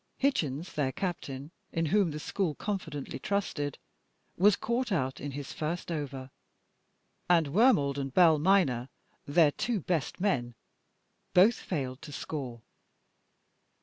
Hitchens, their captain, in whom the school confidently trusted, was caught out in his first over. And Wormald and Bell minor, their two best men, both failed to score.